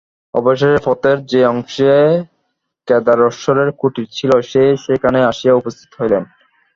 অবশেষে পথের যে অংশে কেদারেশ্বরের কুটির ছিল, রাজা সেইখানে আসিয়া উপস্থিত হইলেন।